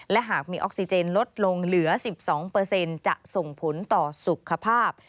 และหากมีออกซิเจนลดลงเหลือ๑๒เปอร์เซ็นต์จะส่งผลต่อสุขภาพ